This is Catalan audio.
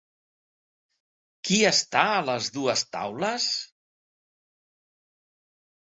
Qui està en les dues taules?